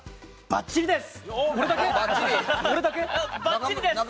ばっちりです！